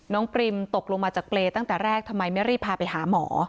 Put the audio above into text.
ปริมตกลงมาจากเปรย์ตั้งแต่แรกทำไมไม่รีบพาไปหาหมอ